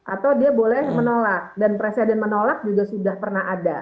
atau dia boleh menolak dan presiden menolak juga sudah pernah ada